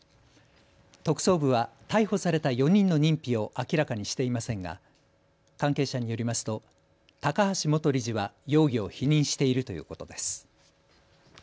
特捜部は逮捕された４人の認否を明らかにしていませんが関係者によりますと高橋元理事は容疑を否認しているということです。